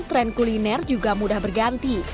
tren kuliner juga mudah berganti